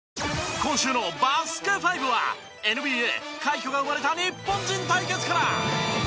今週の『バスケ☆ＦＩＶＥ』はＮＢＡ快挙が生まれた日本人対決から！